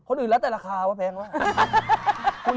ตอนออกจากร่างนะ